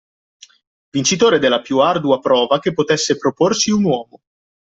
Vincitore della più ardua prova che potesse proporsi un uomo!